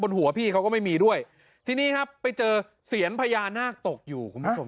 บนหัวพี่เค้าก็ไม่มีด้วยทีนี้ครับไปเจอเสียญพยานาคตกอยู่